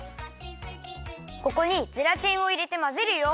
ここにゼラチンをいれてまぜるよ。